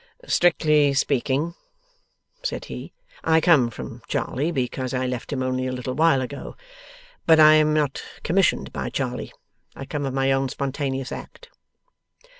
'Strictly speaking,' said he, 'I come from Charley, because I left him only a little while ago; but I am not commissioned by Charley. I come of my own spontaneous act.